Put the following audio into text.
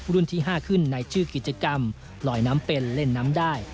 ที่๕ขึ้นในชื่อกิจกรรมลอยน้ำเป็นเล่นน้ำได้